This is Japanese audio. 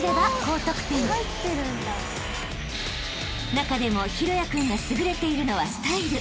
［中でも大也君が優れているのはスタイル］